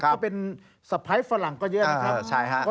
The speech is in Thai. ก็เป็นสะพ้ายฝรั่งก็เยอะนะครับ